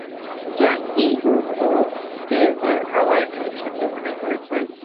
জন Gielgud এবং Trevor Howard একসাথে অভিনয় করেছেন।